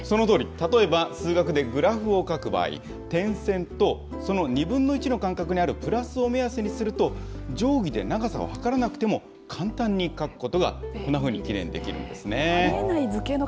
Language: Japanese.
例えば数学でグラフを描く場合、点線とその２分の１の間隔にあるプラスを目安にすると、定規で長さを測らなくても、簡単に書くことが、こんなふうにきれいにできるんですね。